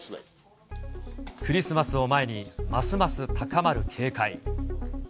クリスマスを前に、ますます高まる警戒。